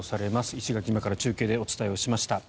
石垣島から中継でお伝えしました。